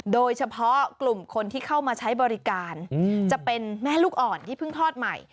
โดยเฉพาะกลุ่มคนที่เข้ามาใช้บริการจะเป็นแม่ลูกอ่อนที่เพิ่งทอดใหม่